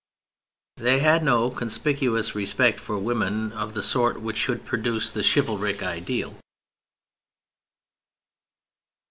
They had no conspicuous respect for women of the sort which should produce the chivalric ideal.